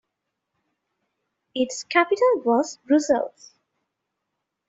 Its capital was Brussels.